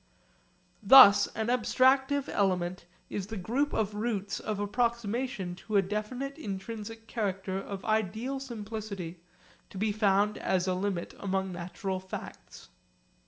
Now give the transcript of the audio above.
Thus an abstractive element is the group of routes of approximation to a definite intrinsic character of ideal simplicity to be found as a limit among natural facts.